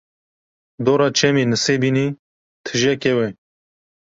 Dora çemê nisêbîne tije kew e.